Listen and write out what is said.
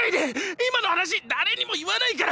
今の話誰にも言わないから！！